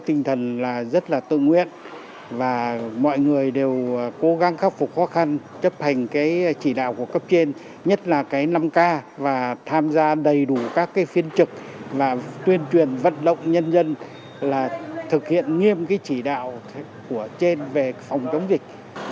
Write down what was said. tình hình là rất tự nguyện và mọi người đều cố gắng khắc phục khó khăn chấp hành chỉ đạo của cấp trên nhất là năm k và tham gia đầy đủ các phiên trực và tuyên truyền vận động nhân dân thực hiện nghiêm chỉ đạo của trên về phòng chống dịch